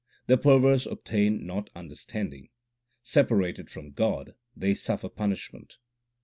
The perverse obtain not understanding ; separated from God they suffer punishment.